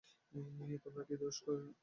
তোমার কি দোষ?